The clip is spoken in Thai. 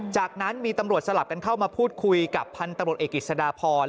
จากนั้นมีตำรวจสลับกันเข้ามาพูดคุยกับพันธุ์ตำรวจเอกกิจสดาพร